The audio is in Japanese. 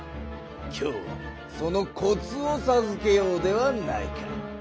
今日はそのコツをさずけようではないか。